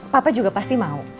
papa juga pasti mau